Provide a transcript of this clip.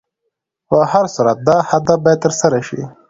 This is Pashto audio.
په هر صورت دا هدف باید تر سره شي.